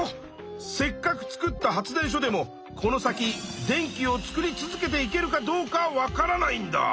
せっかく作った発電所でもこの先電気を作り続けていけるかどうかわからないんだ。